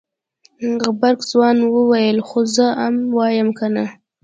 غبرګ ځوان وويل خو زه ام وايم کنه.